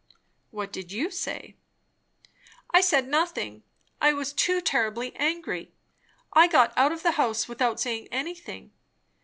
"What did you say?" "I said nothing. I was too terribly angry. I got out of the house without saying anything.